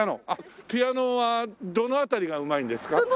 ああピアノはどの辺りがうまいんですか？